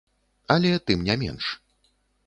Але тым не менш.